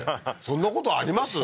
そんなことあります？